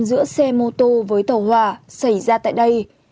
giữa xe mô tô với tàu hòa xảy ra tại đây